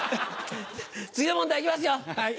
次の問題行きますよ